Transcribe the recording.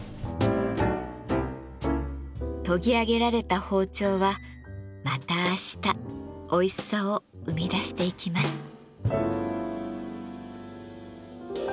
研ぎ上げられた包丁はまた明日おいしさを生み出していきます。